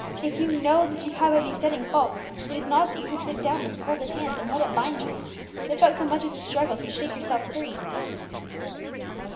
"If you know that you have a besetting fault, it is not that you should sit down with folded hands and let it bind you, without so much as a struggle to shake yourself free."